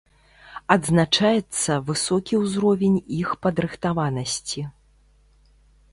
Адзначаецца высокі ўзровень іх падрыхтаванасці.